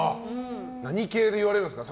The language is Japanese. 何系で言われるんですか？